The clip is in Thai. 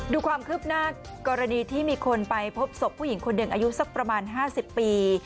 ดูความคืบหน้ากรณีที่มีคนไปพบศพผู้หญิงคนหนึ่งอายุสักประมาณ๕๐ปี